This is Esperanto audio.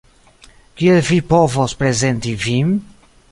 Kiel vi povos prezenti vin?